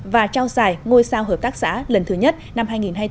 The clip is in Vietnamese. và trao giải ngôi sao hợp tác xã lần thứ nhất năm hai nghìn hai mươi bốn